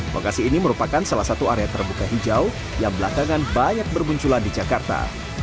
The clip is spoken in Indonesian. bekasi ini merupakan salah satu area terbuka hijau yang belakangan banyak bermunculan di jakarta